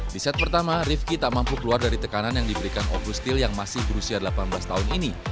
di set pertama rivki tak mampu keluar dari tekanan yang diberikan obrustil yang masih berusia delapan belas tahun ini